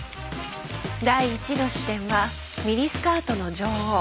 第１の視点は「ミニスカートの女王」